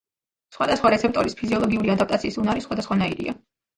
სხვადასხვა რეცეპტორის ფიზიოლოგიური ადაპტაციის უნარი სხვადასხვანაირია.